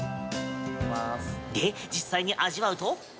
で、実際に味わうと。